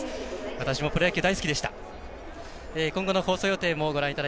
私もプロ野球大好きでした。